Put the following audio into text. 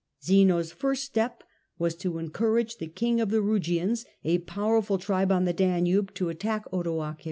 Zeno's first step was to encourage the King of the Eugians, a powerful tribe on the Danube, to attack Odoacer.